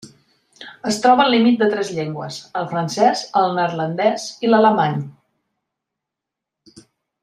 Es troba al límit de tres llengües: el francès, el neerlandès i l'alemany.